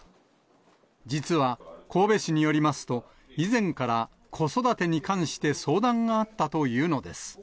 実は神戸市によりますと、以前から子育てに関して相談があったというのです。